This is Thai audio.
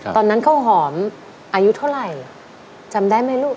ตอนนั้นเขาหอมอายุเท่าไรจำได้ไหมลูก